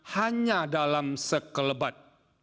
hanya dalam sekelebat